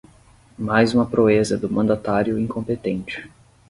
Mais uma proeza do mandatário incompetente